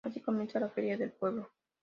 Así comienza la feria del pueblo.